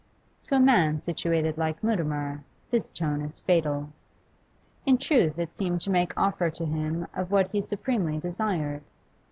To a man situated like Mutimer this tone is fatal. In truth it seemed to make offer to him of what he supremely desired.